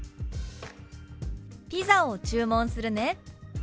「ピザを注文するね」。